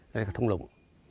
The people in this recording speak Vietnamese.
đây là thung lũng